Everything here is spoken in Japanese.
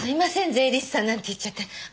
税理士さんなんて言っちゃって。